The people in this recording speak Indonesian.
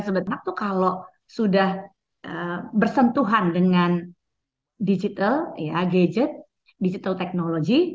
sebenarnya kalau sudah bersentuhan dengan digital gadget digital technology